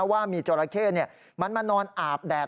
ว่ามีจราเข้มันมานอนอาบแดด